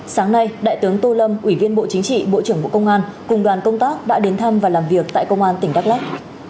sáng nay đại tướng tô lâm ủy viên bộ chính trị bộ trưởng bộ công an cùng đoàn công tác đã đến thăm và làm việc tại công an tỉnh đắk lắc